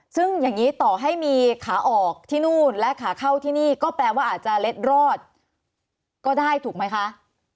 ซึ่งอย่างนี้ต่อให้มีขาออกที่นู่นและขาเข้าที่นี่ก็แปลว่าอาจจะเล็ดรอดก็ได้ถูกไหมคะ